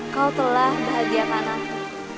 kau telah bahagia kan aku